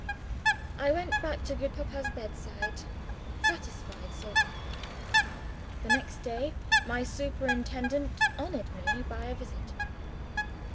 I went back to good Papa's bedside satisfied, so far. The next day, my superintendent honored me by a visit.